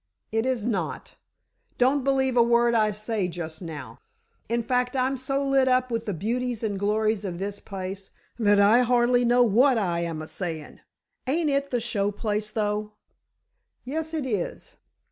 "It is not! Don't believe a word I say just now. In fact, I'm so lit up with the beauties and glories of this place, that I hardly know what I am a saying! Ain't it the show place, though!" "Yes, it is.